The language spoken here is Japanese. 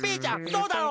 そうだろ？